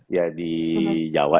ya di jawa